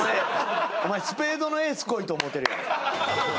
お前スペードのエースこいと思うてるやろ。